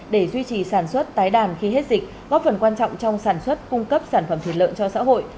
để duy trì sản xuất tái đàn khi hết dịch góp phần quan trọng trong sản xuất cung cấp sản phẩm thịt lợn cho xã hội